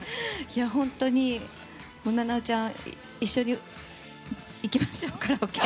本当に菜々緒ちゃん一緒に行きましょう、カラオケ。